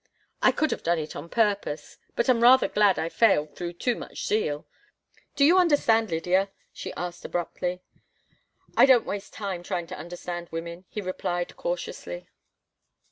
I could have done it on purpose, but am rather glad I failed through too much zeal. Do you understand Lydia?" she asked, abruptly. "I don't waste time trying to understand women," he replied, cautiously.